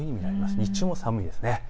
日中も寒いです。